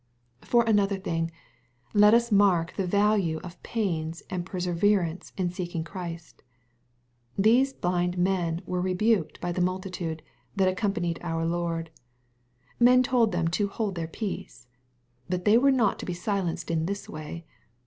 For another thing, let us mark the value of pains and perseverance in seeking Christ These blind men wei*e *^ rebuked" by the multitude, that accompanied our Lord. Men told them to " hold their peace." But they were not to be silenced in this way.